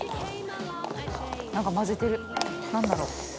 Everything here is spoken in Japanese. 何か混ぜてる何だろう？